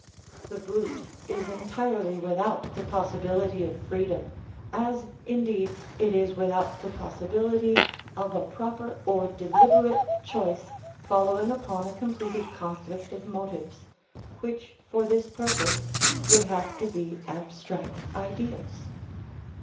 The brute is entirely without the possibility of freedom, as, indeed, it is without the possibility of a proper or deliberate choice following upon a completed conflict of motives, which for this purpose would have to be abstract ideas.